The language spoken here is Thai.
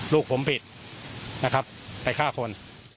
ลูกผมผิดนะครับไปฆ่าคน